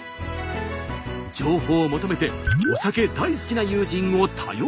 情報を求めてお酒大好きな友人を頼ることに。